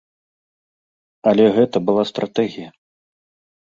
Але гэта была стратэгія.